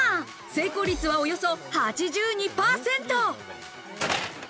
成功率はおよそ８２％。